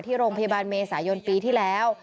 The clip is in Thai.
ที่โรงพยาบาลเมษายนปีที่แล้ว